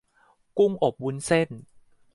กุ้งอบวุ้นเส้น